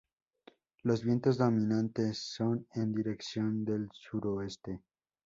Los vientos dominantes son en dirección del suroeste.